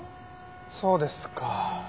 そうですか。